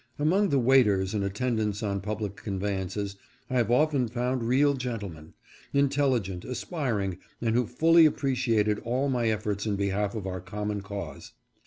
Among the waiters and attendants on public conveyances, I have often found real gentlemen; intelligent, aspiring, and who fully appreciated all my efforts in behalf of our common cause.